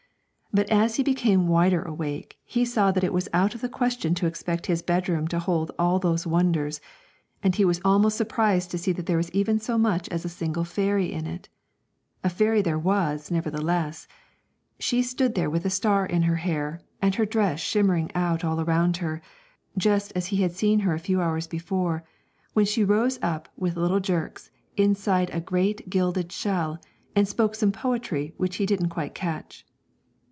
But as he became wider awake, he saw that it was out of the question to expect his bedroom to hold all those wonders, and he was almost surprised to see that there was even so much as a single fairy in it. A fairy there was, nevertheless; she stood there with a star in her hair, and her dress shimmering out all around her, just as he had seen her a few hours before, when she rose up, with little jerks, inside a great gilded shell, and spoke some poetry, which he didn't quite catch.